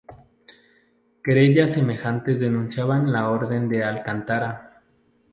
Querellas semejantes denunciaba la Orden de Alcántara.